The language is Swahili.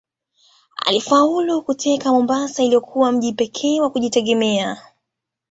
Alifaulu kuteka Mombasa iliyokuwa mji pekee wa kujitegemea